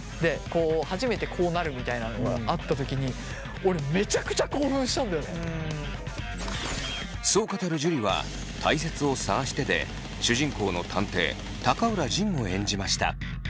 初めてこうなるみたいなのがあった時にそう語る樹は「たいせつを探して」で主人公の探偵高浦仁を演じました。